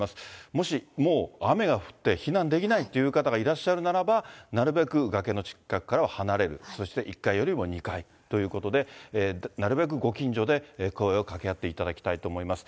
もしもう、雨が降って避難できないという方がいらっしゃるならば、なるべく崖の近くからは離れる、そして１階よりも２階ということで、なるべくご近所で声をかけ合っていただきたいと思います。